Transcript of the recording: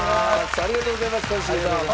ありがとうございます。